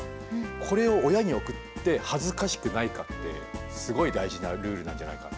これを親に送って恥ずかしくないかってすごい大事なルールなんじゃないか。